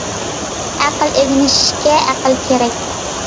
ئەقىل ئۆگىنىشكە ئەقىل كېرەك.